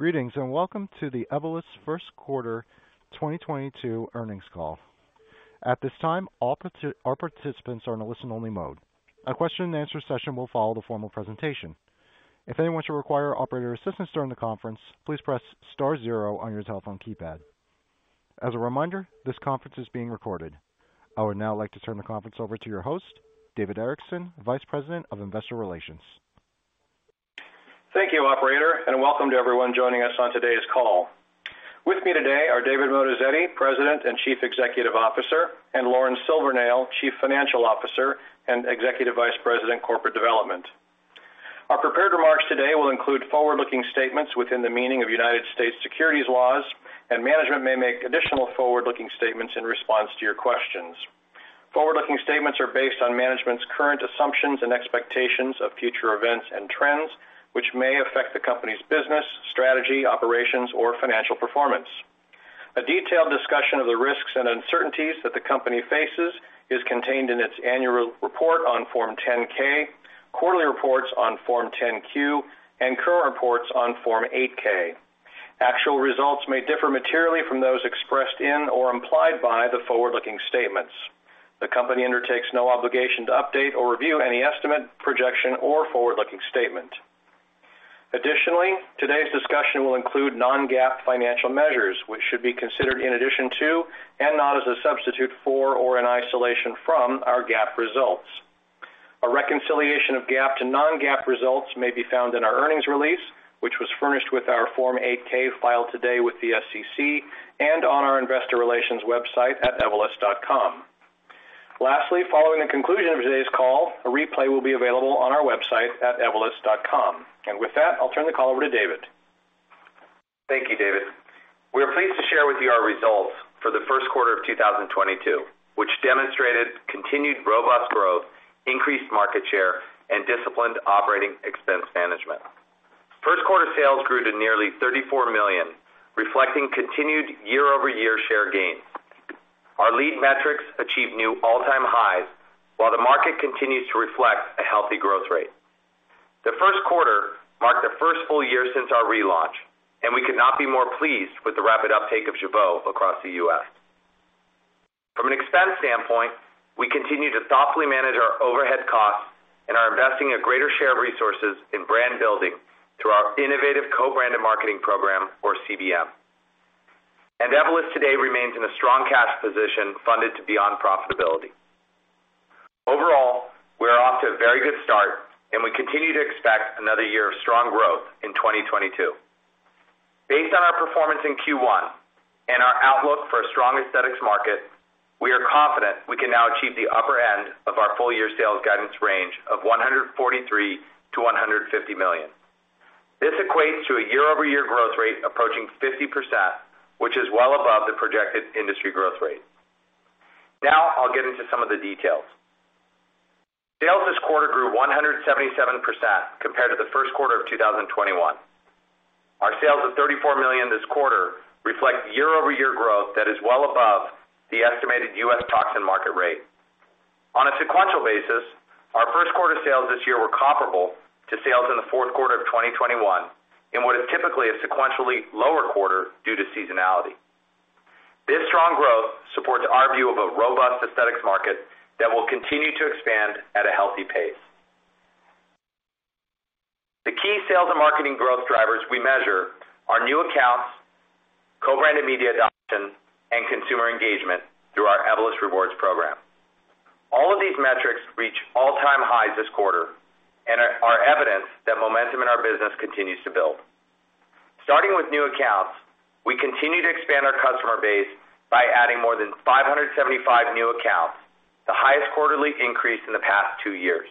Greetings, welcome to the Evolus first quarter 2022 earnings call. At this time, all participants are in a listen-only mode. A question-and-answer session will follow the formal presentation. If anyone should require operator assistance during the conference, please press star zero on your telephone keypad. As a reminder, this conference is being recorded. I would now like to turn the conference over to your host, David Erickson, Vice President of Investor Relations. Thank you, operator, and welcome to everyone joining us on today's call. With me today are David Moatazedi, President and Chief Executive Officer, and Lauren Silvernail, Chief Financial Officer and Executive Vice President, Corporate Development. Our prepared remarks today will include forward-looking statements within the meaning of United States securities laws, and management may make additional forward-looking statements in response to your questions. Forward-looking statements are based on management's current assumptions and expectations of future events and trends, which may affect the company's business, strategy, operations, or financial performance. A detailed discussion of the risks and uncertainties that the company faces is contained in its annual report on Form 10-K, quarterly reports on Form 10-Q, and current reports on Form 8-K. Actual results may differ materially from those expressed in or implied by the forward-looking statements. The company undertakes no obligation to update or review any estimate, projection, or forward-looking statement. Additionally, today's discussion will include non-GAAP financial measures, which should be considered in addition to and not as a substitute for or an isolation from our GAAP results. A reconciliation of GAAP to non-GAAP results may be found in our earnings release, which was furnished with our Form 8-K filed today with the SEC and on our investor relations website at evolus.com. Lastly, following the conclusion of today's call, a replay will be available on our website at evolus.com. With that, I'll turn the call over to David. Thank you, David. We are pleased to share with you our results for the first quarter of 2022, which demonstrated continued robust growth, increased market share, and disciplined operating expense management. First quarter sales grew to nearly $34 million, reflecting continued year-over-year share gains. Our lead metrics achieved new all-time highs while the market continues to reflect a healthy growth rate. The first quarter marked the first full year since our relaunch, and we could not be more pleased with the rapid uptake of Jeuveau across the U.S. From an expense standpoint, we continue to thoughtfully manage our overhead costs and are investing a greater share of resources in brand building through our innovative co-branded marketing program or CBM. Evolus today remains in a strong cash position funded to beyond profitability. Overall, we're off to a very good start, and we continue to expect another year of strong growth in 2022. Based on our performance in Q1 and our outlook for a strong aesthetics market, we are confident we can now achieve the upper end of our full year sales guidance range of $143 million-$150 million. This equates to a year-over-year growth rate approaching 50%, which is well above the projected industry growth rate. Now I'll get into some of the details. Sales this quarter grew 177% compared to the first quarter of 2021. Our sales of $34 million this quarter reflect year-over-year growth that is well above the estimated US toxin market rate. On a sequential basis, our first quarter sales this year were comparable to sales in the fourth quarter of 2021 in what is typically a sequentially lower quarter due to seasonality. This strong growth supports our view of a robust aesthetics market that will continue to expand at a healthy pace. The key sales and marketing growth drivers we measure are new accounts, co-branded media adoption, and consumer engagement through our Evolus Rewards program. All of these metrics reach all-time highs this quarter and are evidence that momentum in our business continues to build. Starting with new accounts, we continue to expand our customer base by adding more than 575 new accounts, the highest quarterly increase in the past two years.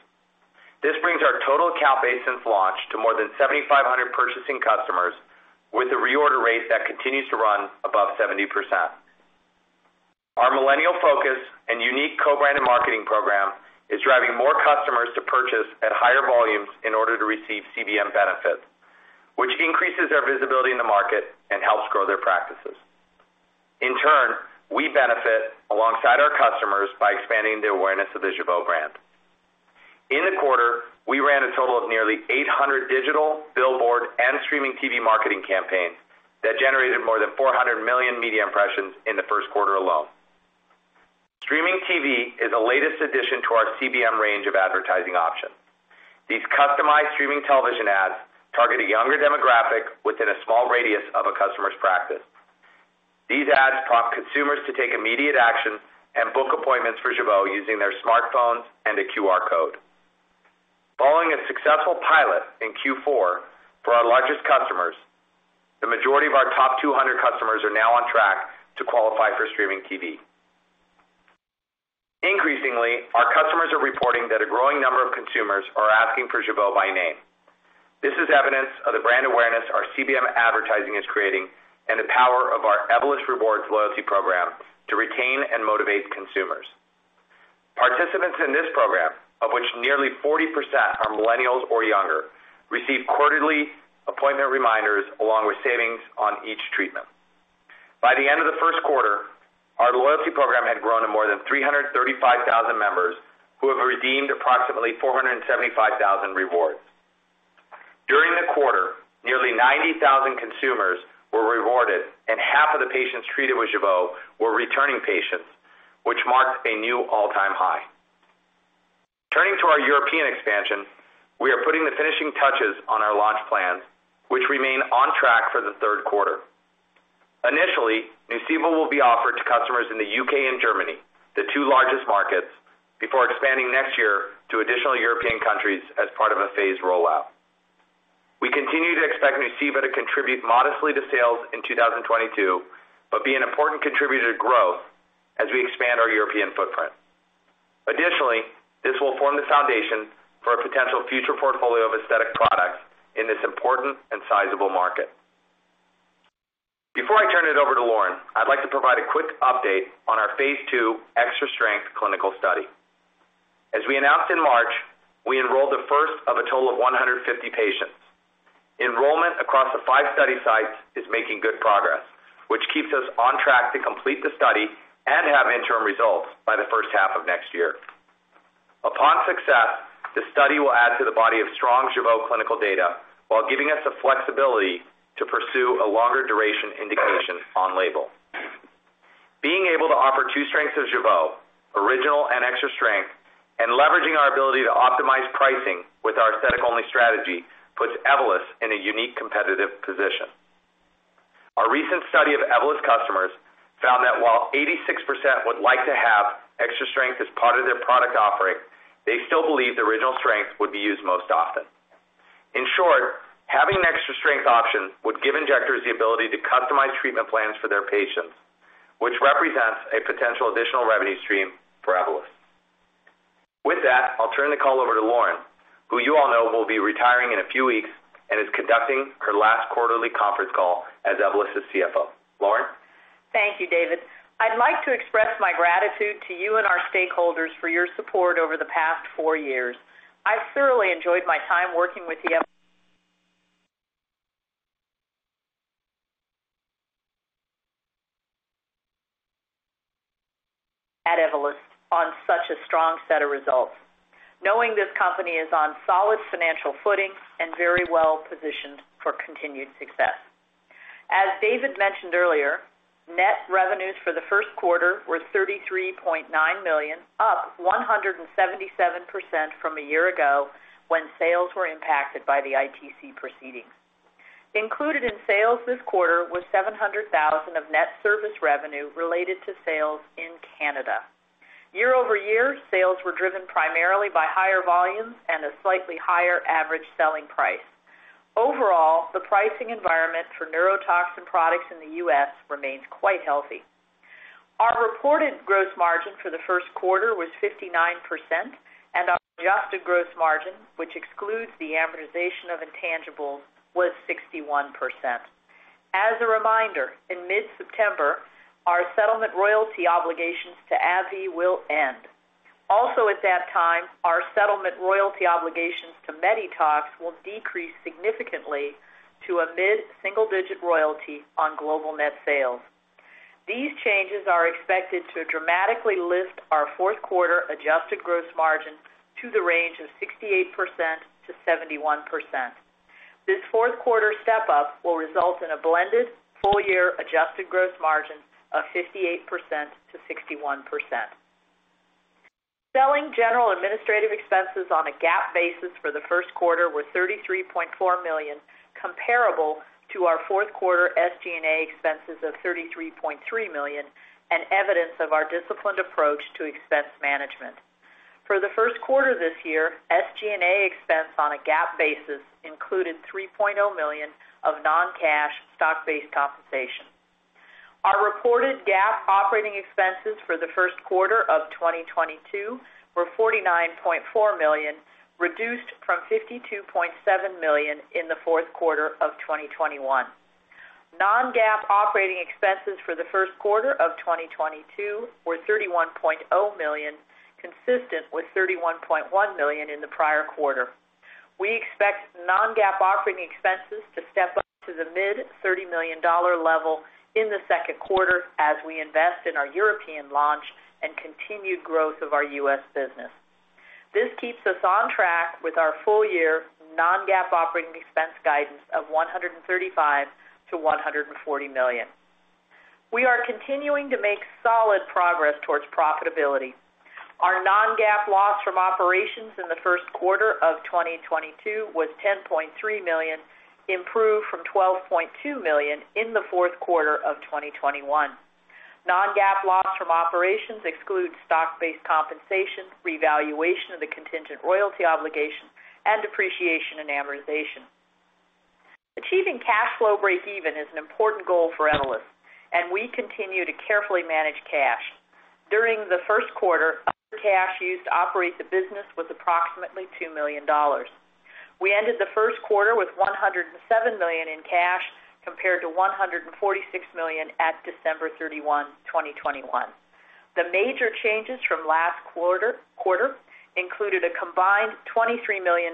This brings our total account base since launch to more than 7,500 purchasing customers with a reorder rate that continues to run above 70%. Our millennial focus and unique co-branded marketing program is driving more customers to purchase at higher volumes in order to receive CBM benefits, which increases their visibility in the market and helps grow their practices. In turn, we benefit alongside our customers by expanding the awareness of the Jeuveau brand. In the quarter, we ran a total of nearly 800 digital billboard and streaming TV marketing campaigns that generated more than 400 million media impressions in the first quarter alone. Streaming TV is the latest addition to our CBM range of advertising options. These customized streaming television ads target a younger demographic within a small radius of a customer's practice. These ads prompt consumers to take immediate action and book appointments for Jeuveau using their smartphones and a QR code. Following a successful pilot in Q4 for our largest customers, the majority of our top 200 customers are now on track to qualify for streaming TV. Increasingly, our customers are reporting that a growing number of consumers are asking for Jeuveau by name. This is evidence of the brand awareness our CBM advertising is creating and the power of our Evolus Rewards loyalty program to retain and motivate consumers. Participants in this program, of which nearly 40% are millennials or younger, receive quarterly appointment reminders along with savings on each treatment. By the end of the first quarter, our loyalty program had grown to more than 335,000 members who have redeemed approximately 475,000 rewards. During the quarter, nearly 90,000 consumers were rewarded and half of the patients treated with Jeuveau were returning patients, which marked a new all-time high. Turning to our European expansion, we are putting the finishing touches on our launch plans, which remain on track for the third quarter. Initially, Nuceiva will be offered to customers in the U.K. and Germany, the two largest markets, before expanding next year to additional European countries as part of a phased rollout. We continue to expect Nuceiva to contribute modestly to sales in 2022, but be an important contributor to growth as we expand our European footprint. Additionally, this will form the foundation for a potential future portfolio of aesthetic products in this important and sizable market. Before I turn it over to Lauren, I'd like to provide a quick update on our Phase II Extra-Strength clinical study. As we announced in March, we enrolled the first of a total of 150 patients. Enrollment across the five study sites is making good progress, which keeps us on track to complete the study and have interim results by the first half of next year. Upon success, the study will add to the body of strong Jeuveau clinical data while giving us the flexibility to pursue a longer duration indication on label. Being able to offer two strengths of Jeuveau, original and extra strength, and leveraging our ability to optimize pricing with our aesthetic-only strategy, puts Evolus in a unique competitive position. Our recent study of Evolus customers found that while 86% would like to have extra strength as part of their product offering, they still believe the original strength would be used most often. In short, having an extra strength option would give injectors the ability to customize treatment plans for their patients, which represents a potential additional revenue stream for Evolus. With that, I'll turn the call over to Lauren, who you all know will be retiring in a few weeks and is conducting her last quarterly conference call as Evolus' CFO. Lauren? Thank you, David. I'd like to express my gratitude to you and our stakeholders for your support over the past four years. I've thoroughly enjoyed my time working with you at Evolus on such a strong set of results, knowing this company is on solid financial footing and very well positioned for continued success. As David mentioned earlier, net revenues for the first quarter were $33.9 million, up 177% from a year ago when sales were impacted by the ITC proceedings. Included in sales this quarter was $700,000 of net service revenue related to sales in Canada. Year-over-year, sales were driven primarily by higher volumes and a slightly higher average selling price. Overall, the pricing environment for neurotoxin products in the U.S. remains quite healthy. Our reported gross margin for the first quarter was 59%, and our adjusted gross margin, which excludes the amortization of intangibles, was 61%. As a reminder, in mid-September, our settlement royalty obligations to AbbVie will end. Also at that time, our settlement royalty obligations to Medytox will decrease significantly to a mid-single-digit royalty on global net sales. These changes are expected to dramatically lift our fourth quarter adjusted gross margin to the range of 68%-71%. This fourth quarter step-up will result in a blended full-year adjusted gross margin of 58%-61%. Selling general administrative expenses on a GAAP basis for the first quarter were $33.4 million, comparable to our fourth quarter SG&A expenses of $33.3 million, and evidence of our disciplined approach to expense management. For the first quarter this year, SG&A expense on a GAAP basis included $3.0 million of non-cash stock-based compensation. Our reported GAAP operating expenses for the first quarter of 2022 were $49.4 million, reduced from $52.7 million in the fourth quarter of 2021. Non-GAAP operating expenses for the first quarter of 2022 were $31.0 million, consistent with $31.1 million in the prior quarter. We expect non-GAAP operating expenses to step up to the mid-$30 million level in the second quarter as we invest in our European launch and continued growth of our U.S. business. This keeps us on track with our full-year non-GAAP operating expense guidance of $135 million-$140 million. We are continuing to make solid progress towards profitability. Our non-GAAP loss from operations in the first quarter of 2022 was $10.3 million, improved from $12.2 million in the fourth quarter of 2021. Non-GAAP loss from operations excludes stock-based compensation, revaluation of the contingent royalty obligation, and depreciation and amortization. Achieving cash flow breakeven is an important goal for Evolus, and we continue to carefully manage cash. During the first quarter, cash used to operate the business was approximately $2 million. We ended the first quarter with $107 million in cash compared to $146 million at December 31, 2021. The major changes from last quarter included a combined $23 million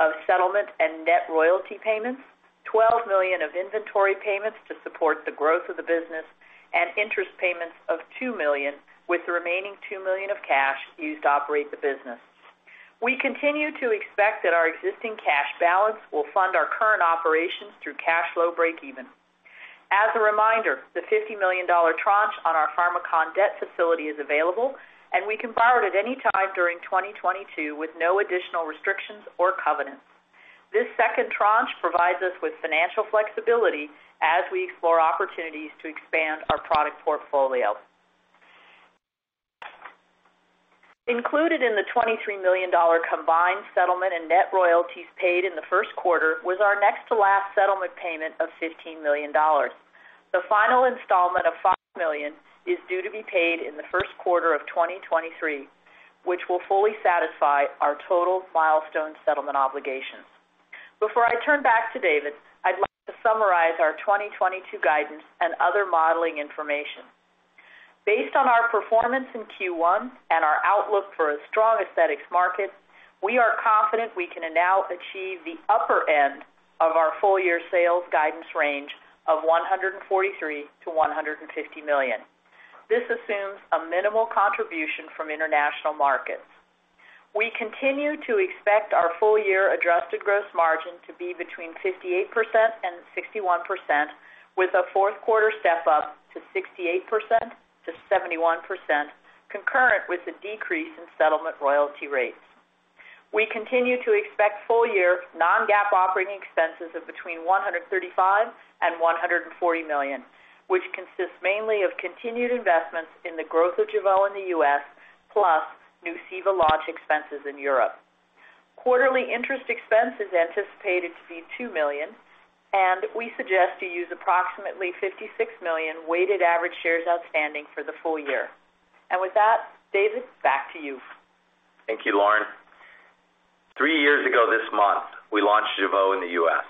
of settlement and net royalty payments, $12 million of inventory payments to support the growth of the business and interest payments of $2 million with the remaining $2 million of cash used to operate the business. We continue to expect that our existing cash balance will fund our current operations through cash flow breakeven. As a reminder, the $50 million tranche on our Pharmakon debt facility is available and we can borrow it at any time during 2022 with no additional restrictions or covenants. This second tranche provides us with financial flexibility as we explore opportunities to expand our product portfolio. Included in the $23 million combined settlement and net royalties paid in the first quarter was our next to last settlement payment of $15 million. The final installment of $5 million is due to be paid in the first quarter of 2023, which will fully satisfy our total milestone settlement obligations. Before I turn back to David, I'd like to summarize our 2022 guidance and other modeling information. Based on our performance in Q1 and our outlook for a strong aesthetics market, we are confident we can now achieve the upper end of our full year sales guidance range of $143 million-$150 million. This assumes a minimal contribution from international markets. We continue to expect our full year adjusted gross margin to be between 58% and 61%, with a fourth quarter step up to 68%-71%, concurrent with the decrease in settlement royalty rates. We continue to expect full year non-GAAP operating expenses of between $135 million and $140 million, which consists mainly of continued investments in the growth of Jeuveau in the U.S. plus Nuceiva launch expenses in Europe. Quarterly interest expense is anticipated to be $2 million, and we suggest to use approximately 56 million weighted average shares outstanding for the full year. With that, David, back to you. Thank you, Lauren. Three years ago this month, we launched Jeuveau in the U.S.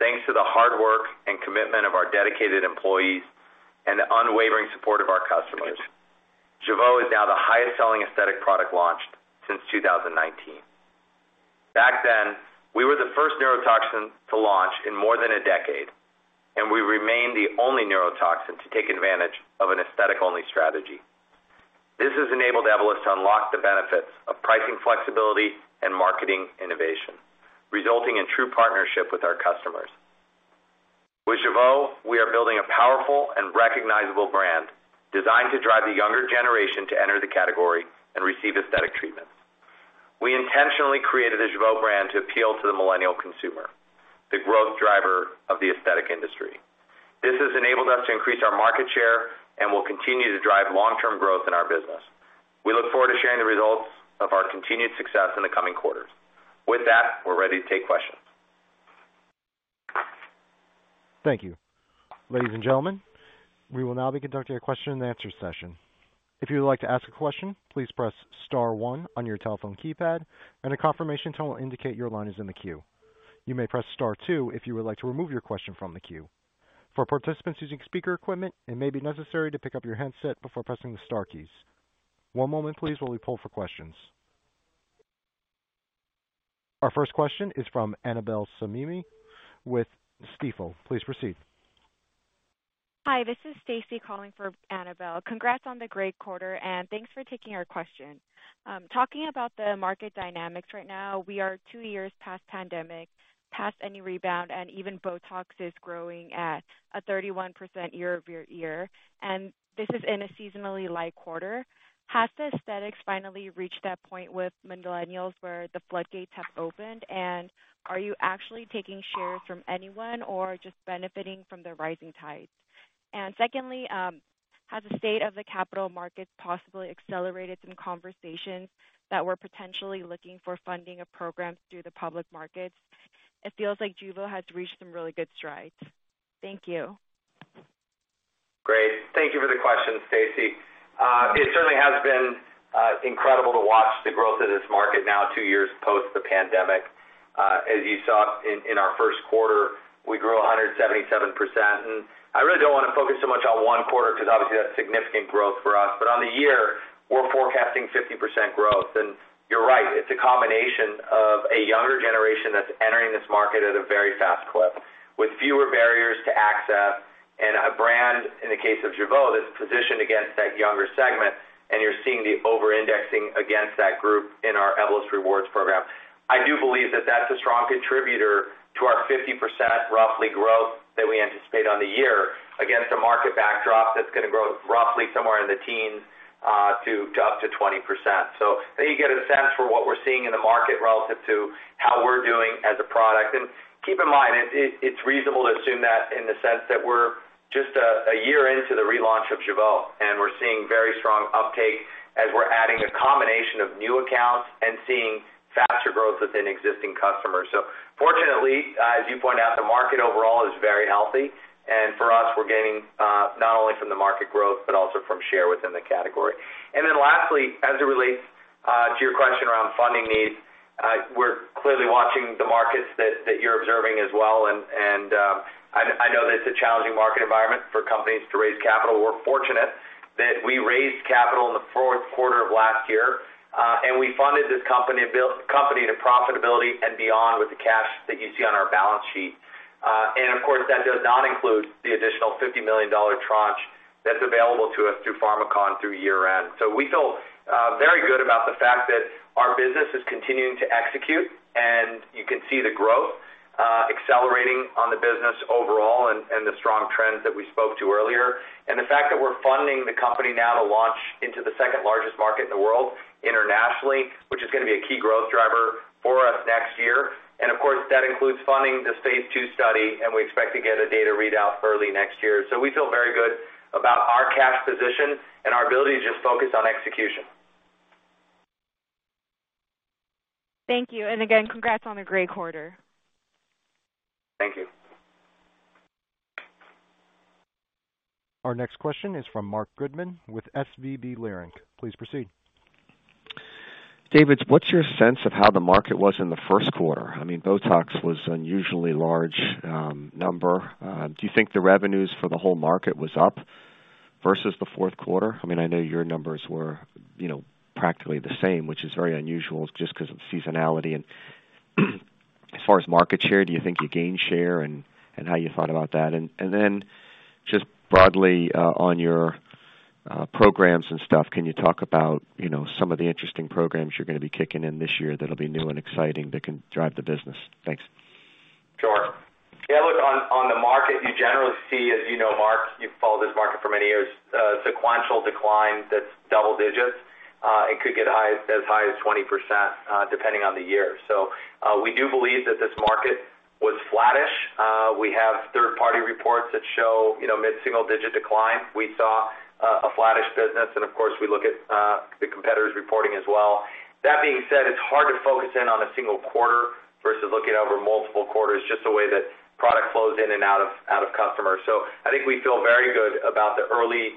Thanks to the hard work and commitment of our dedicated employees and the unwavering support of our customers, Jeuveau is now the highest selling aesthetic product launched since 2019. Back then, we were the first neurotoxin to launch in more than a decade, and we remain the only neurotoxin to take advantage of an aesthetic only strategy. This has enabled Evolus to unlock the benefits of pricing flexibility and marketing innovation, resulting in true partnership with our customers. With Jeuveau, we are building a powerful and recognizable brand designed to drive the younger generation to enter the category and receive aesthetic treatments. We intentionally created a Jeuveau brand to appeal to the millennial consumer, the growth driver of the aesthetic industry. This has enabled us to increase our market share and will continue to drive long-term growth in our business. We look forward to sharing the results of our continued success in the coming quarters. With that, we're ready to take questions. Thank you. Ladies and gentlemen, we will now be conducting a question and answer session. If you would like to ask a question, please press star one on your telephone keypad and a confirmation tone will indicate your line is in the queue. You may press star two if you would like to remove your question from the queue. For participants using speaker equipment, it may be necessary to pick up your handset before pressing the star keys. One moment please while we pull for questions. Our first question is from Annabel Samimy with Stifel. Please proceed. Hi, this is Stacey calling for Annabel. Congrats on the great quarter and thanks for taking our question. Talking about the market dynamics right now, we are two years past pandemic, past any rebound, and even BOTOX is growing at a 31% year-over-year, and this is in a seasonally light quarter. Has the aesthetics finally reached that point with millennials where the floodgates have opened, and are you actually taking shares from anyone or just benefiting from the rising tides? Secondly, has the state of the capital markets possibly accelerated some conversations that were potentially looking for funding of programs through the public markets? It feels like Jeuveau has reached some really good strides. Thank you. Great. Thank you for the question, Stacey. It certainly has been incredible to watch the growth of this market now two years post the pandemic. As you saw in our first quarter, we grew 177%. I really don't want to focus so much on one quarter because obviously that's significant growth for us. On the year, we're forecasting 50% growth. You're right, it's a combination of a younger generation that's entering this market at a very fast clip with fewer barriers to access and a brand, in the case of Jeuveau, that's positioned against that younger segment. You're seeing the over-indexing against that group in our Evolus Rewards program. I do believe that that's a strong contributor to our 50%, roughly, growth that we anticipate on the year against a market backdrop that's going to grow roughly somewhere in the 10%-20%. There you get a sense for what we're seeing in the market relative to how we're doing as a product. Keep in mind, it's reasonable to assume that in the sense that we're just a year into the relaunch of Jeuveau, and we're seeing very strong uptake as we're adding a combination of new accounts and seeing faster growth within existing customers. Fortunately, as you pointed out, the market overall is very healthy, and for us, we're gaining not only from the market growth, but also from share within the category. Then lastly, as it relates to your question around funding needs. We're clearly watching the markets that you're observing as well. I know that it's a challenging market environment for companies to raise capital. We're fortunate that we raised capital in the fourth quarter of last year, and we funded this company and built the company to profitability and beyond with the cash that you see on our balance sheet. Of course, that does not include the additional $50 million tranche that's available to us through Pharmakon through year-end. We feel very good about the fact that our business is continuing to execute, and you can see the growth accelerating on the business overall and the strong trends that we spoke to earlier. The fact that we're funding the company now to launch into the second-largest market in the world internationally, which is gonna be a key growth driver for us next year. Of course, that includes funding the Phase II study, and we expect to get a data readout early next year. We feel very good about our cash position and our ability to just focus on execution. Thank you. Again, congrats on a great quarter. Thank you. Our next question is from Marc Goodman with SVB Securities. Please proceed. David, what's your sense of how the market was in the first quarter? I mean, BOTOX was unusually large, number. Do you think the revenues for the whole market was up versus the fourth quarter? I mean, I know your numbers were, you know, practically the same, which is very unusual just 'cause of seasonality. As far as market share, do you think you gained share and how you thought about that? Then just broadly, on your programs and stuff, can you talk about, you know, some of the interesting programs you're gonna be kicking in this year that'll be new and exciting that can drive the business? Thanks. Sure. Yeah, look, on the market, you generally see as you know, Marc, you've followed this market for many years, sequential decline that's double digits. It could get high, as high as 20%, depending on the year. We do believe that this market was flattish. We have third-party reports that show, you know, mid-single-digit decline. We saw a flattish business, and of course, we look at the competitors' reporting as well. That being said, it's hard to focus in on a single quarter versus looking over multiple quarters, just the way that product flows in and out of customers. I think we feel very good about the early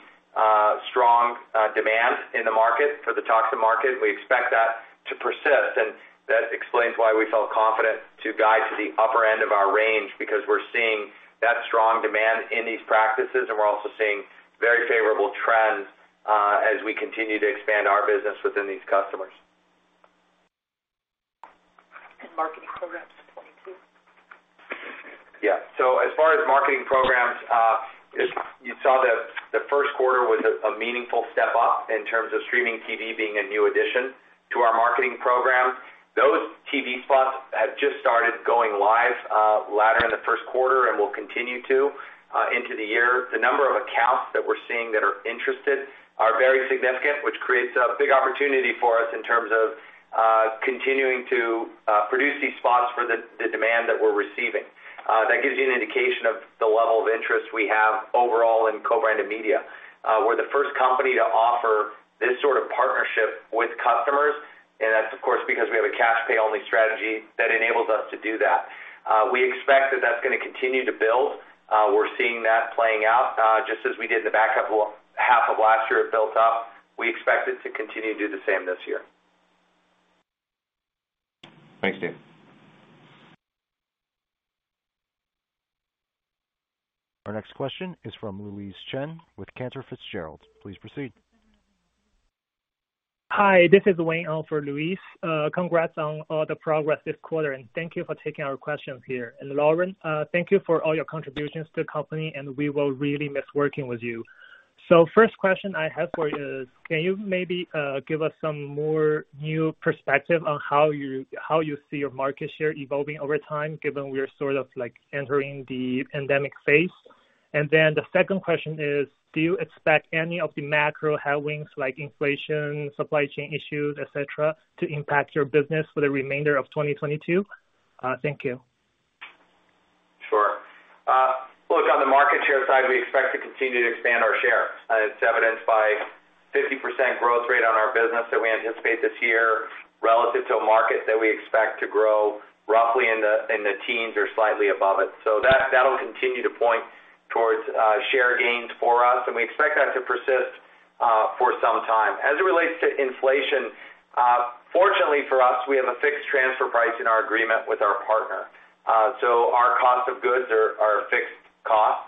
strong demand in the market for the toxin market. We expect that to persist, and that explains why we felt confident to guide to the upper end of our range because we're seeing that strong demand in these practices, and we're also seeing very favorable trends, as we continue to expand our business within these customers. Marketing programs, 22. Yeah. As far as marketing programs, you saw the first quarter was a meaningful step up in terms of streaming TV being a new addition to our marketing program. Those TV spots have just started going live later in the first quarter and will continue to into the year. The number of accounts that we're seeing that are interested are very significant, which creates a big opportunity for us in terms of continuing to produce these spots for the demand that we're receiving. That gives you an indication of the level of interest we have overall in co-branded media. We're the first company to offer this sort of partnership with customers, and that's of course because we have a cash pay only strategy that enables us to do that. We expect that that's gonna continue to build. We're seeing that playing out just as we did in the back half of last year. It built up. We expect it to continue to do the same this year. Thanks, David. Our next question is from Louise Chen with Cantor Fitzgerald. Please proceed. Hi, this is Wayne on for Louise. Congrats on all the progress this quarter, and thank you for taking our questions here. Lauren, thank you for all your contributions to the company, and we will really miss working with you. First question I have for you is, can you maybe give us some more new perspective on how you see your market share evolving over time, given we are sort of like entering the pandemic phase? Then the second question is, do you expect any of the macro headwinds like inflation, supply chain issues, et cetera, to impact your business for the remainder of 2022? Thank you. Sure. Look, on the market share side, we expect to continue to expand our share. It's evidenced by 50% growth rate on our business that we anticipate this year relative to a market that we expect to grow roughly in the teens or slightly above it. That'll continue to point towards share gains for us, and we expect that to persist for some time. As it relates to inflation, fortunately for us, we have a fixed transfer price in our agreement with our partner. Our cost of goods are fixed costs.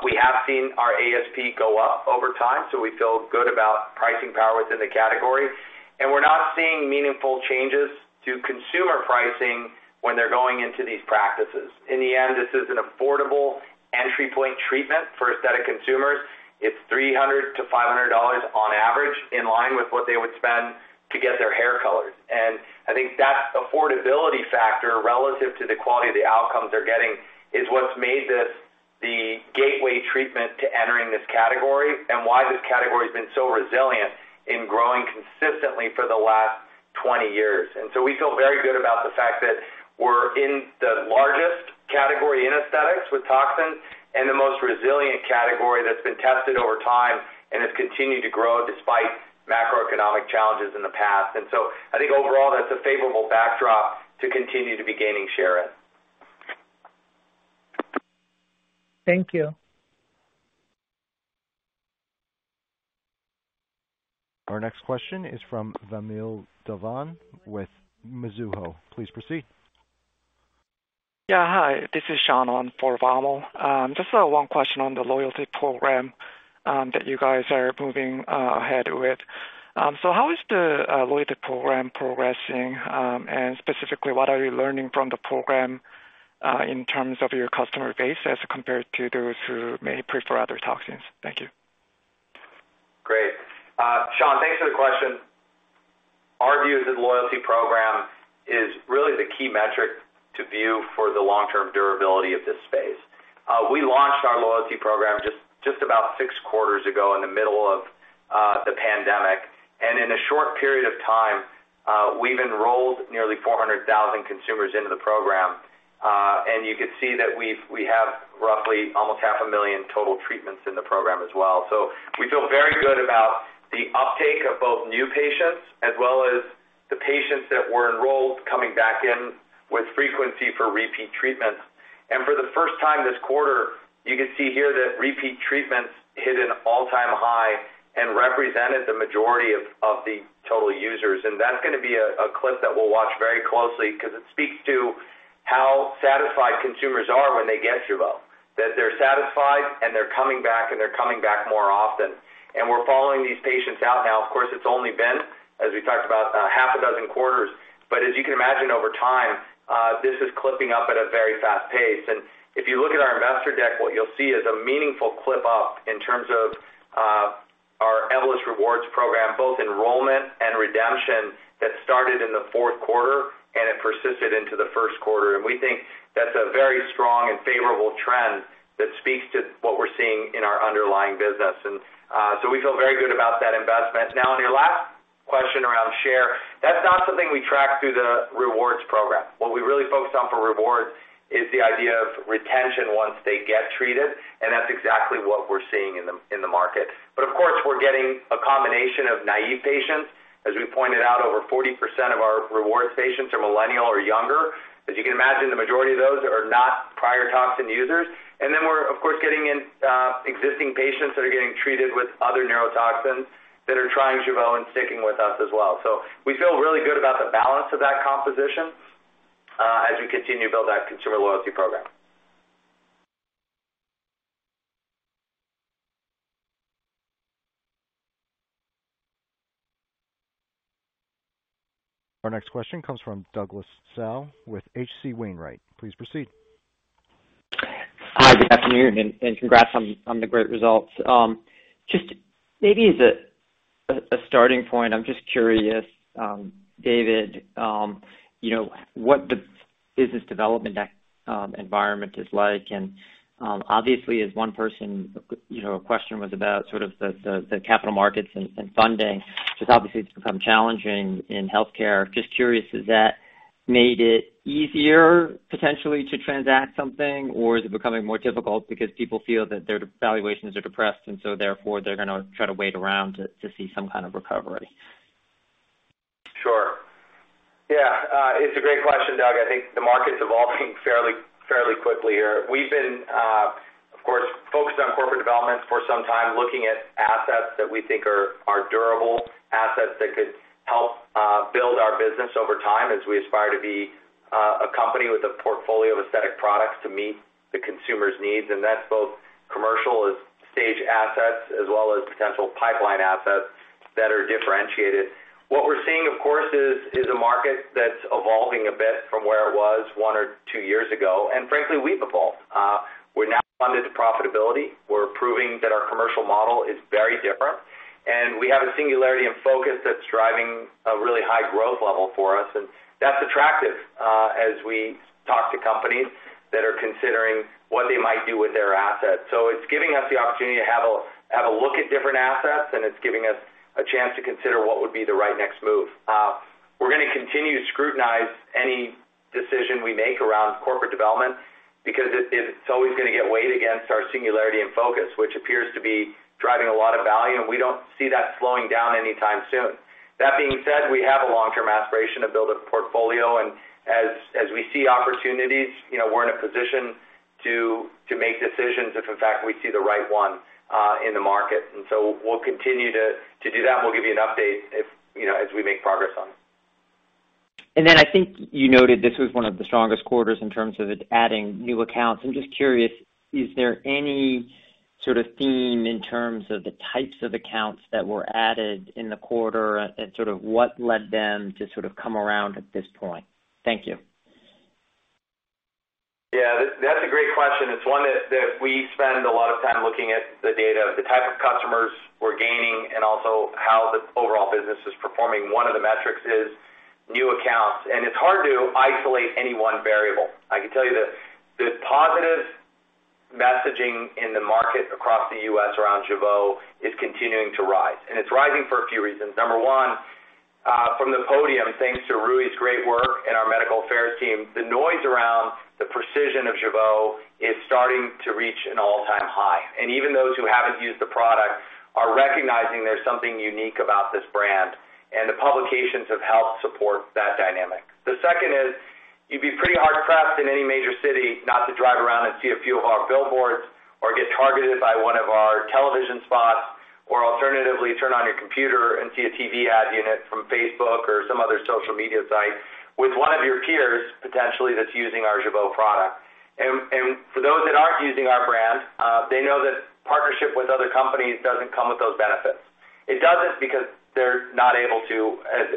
We have seen our ASP go up over time, so we feel good about pricing power within the category. We're not seeing meaningful changes to consumer pricing when they're going into these practices. In the end, this is an affordable entry point treatment for aesthetic consumers. It's $300-$500 on average, in line with what they would spend to get their hair colored. I think that affordability factor relative to the quality of the outcomes they're getting is what's made this the gateway treatment to entering this category and why this category has been so resilient in growing consistently for the last 20 years. We feel very good about the fact that we're in the largest category in aesthetics with toxins and the most resilient category that's been tested over time and has continued to grow despite macroeconomic challenges in the past. I think overall, that's a favorable backdrop to continue to be gaining share in. Thank you. Our next question is from Vamil Divan with Mizuho. Please proceed. Yeah. Hi, this is Sean on for Vamil. Just one question on the loyalty program that you guys are moving ahead with. How is the loyalty program progressing? Specifically, what are you learning from the program in terms of your customer base as compared to those who may prefer other toxins? Thank you. Great. Sean, thanks for the question. Our view is that loyalty program is really the key metric to view for the long-term durability of this space. We launched our loyalty program just about 6 quarters ago in the middle of the pandemic. In a short period of time, we've enrolled nearly 400,000 consumers into the program. You can see that we have roughly almost 500,000 total treatments in the program as well. We feel very good about the uptake of both new patients as well as the patients that were enrolled coming back in with frequency for repeat treatments. For the first time this quarter, you can see here that repeat treatments hit an all-time high and represented the majority of the total users. That's gonna be a clip that we'll watch very closely because it speaks to how satisfied consumers are when they get Jeuveau, that they're satisfied and they're coming back, and they're coming back more often. We're following these patients out now. Of course, it's only been, as we talked about, half a dozen quarters. As you can imagine, over time, this is clipping up at a very fast pace. If you look at our investor deck, what you'll see is a meaningful clip up in terms of our Evolus Rewards program, both enrollment and redemption that started in the fourth quarter, and it persisted into the first quarter. We think that's a very strong and favorable trend that speaks to what we're seeing in our underlying business. We feel very good about that investment. Now, on your last question around share, that's not something we track through the rewards program. What we really focus on for rewards is the idea of retention once they get treated, and that's exactly what we're seeing in the market. Of course, we're getting a combination of naive patients. As we pointed out, over 40% of our rewards patients are millennial or younger. As you can imagine, the majority of those are not prior toxin users. Then we're, of course, getting in existing patients that are getting treated with other neurotoxins that are trying Jeuveau and sticking with us as well. We feel really good about the balance of that composition as we continue to build that consumer loyalty program. Our next question comes from Doug Tsao with H.C. Wainwright. Please proceed. Hi, good afternoon, and congrats on the great results. Just maybe as a starting point, I'm just curious, David, you know, what the business development environment is like. Obviously as someone, you know, a question was about sort of the capital markets and funding, which obviously it's become challenging in healthcare. Just curious, has that made it easier potentially to transact something, or is it becoming more difficult because people feel that their valuations are depressed and so therefore they're gonna try to wait around to see some kind of recovery? Sure. Yeah. It's a great question, Doug. I think the market's evolving fairly quickly here. We've been, of course, focused on corporate development for some time, looking at assets that we think are durable, assets that could help build our business over time as we aspire to be a company with a portfolio of aesthetic products to meet the consumer's needs. That's both commercial-stage assets as well as potential pipeline assets that are differentiated. What we're seeing, of course, is a market that's evolving a bit from where it was one or two years ago. Frankly, we've evolved. We're now funded to profitability. We're proving that our commercial model is very different, and we have a singularity and focus that's driving a really high growth level for us, and that's attractive, as we talk to companies that are considering what they might do with their assets. It's giving us the opportunity to have a look at different assets, and it's giving us a chance to consider what would be the right next move. We're gonna continue to scrutinize any decision we make around corporate development because it's always gonna get weighed against our singularity and focus, which appears to be driving a lot of value, and we don't see that slowing down anytime soon. That being said, we have a long-term aspiration to build a portfolio. As we see opportunities, you know, we're in a position to make decisions if in fact we see the right one in the market. We'll continue to do that, and we'll give you an update if, you know, as we make progress on it. I think you noted this was one of the strongest quarters in terms of it adding new accounts. I'm just curious, is there any sort of theme in terms of the types of accounts that were added in the quarter and sort of what led them to sort of come around at this point? Thank you. Yeah, that's a great question. It's one that we spend a lot of time looking at the data, the type of customers we're gaining and also how the overall business is performing. One of the metrics is new accounts, and it's hard to isolate any one variable. I can tell you that the positive messaging in the market across the U.S. around Jeuveau is continuing to rise, and it's rising for a few reasons. Number one, from the podium, thanks to Rui's great work and our medical affairs team, the noise around the precision of Jeuveau is starting to reach an all-time high. Even those who haven't used the product are recognizing there's something unique about this brand, and the publications have helped support that dynamic. The second is, you'd be pretty hard-pressed in any major city not to drive around and see a few of our billboards or get targeted by one of our television spots or alternatively, turn on your computer and see a TV ad unit from Facebook or some other social media site with one of your peers potentially that's using our Jeuveau product. For those that aren't using our brand, they know that partnership with other companies doesn't come with those benefits. It doesn't because they're not able to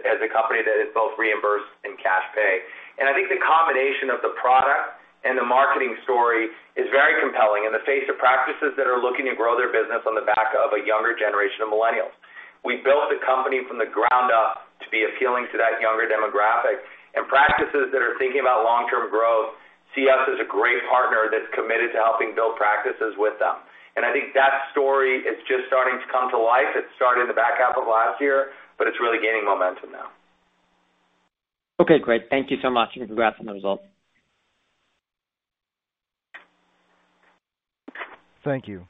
as a company that is both reimbursed and cash pay. I think the combination of the product and the marketing story is very compelling in the face of practices that are looking to grow their business on the back of a younger generation of millennials. We built the company from the ground up to be appealing to that younger demographic. Practices that are thinking about long-term growth see us as a great partner that's committed to helping build practices with them. I think that story is just starting to come to life. It started in the back half of last year, but it's really gaining momentum now. Okay, great. Thank you so much, and congrats on the results. Thank you.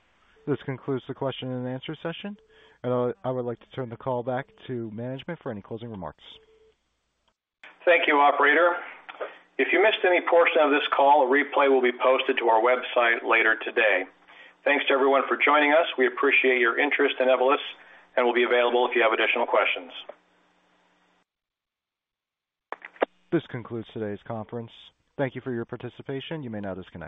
This concludes the question and answer session. I would like to turn the call back to management for any closing remarks. Thank you, operator. If you missed any portion of this call, a replay will be posted to our website later today. Thanks to everyone for joining us. We appreciate your interest in Evolus and we'll be available if you have additional questions. This concludes today's conference. Thank you for your participation. You may now disconnect.